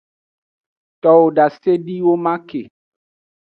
Towo dasediwoman ke.